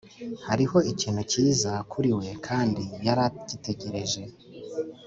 hariho ikintu kiza kuri we kandi yari agitegereje,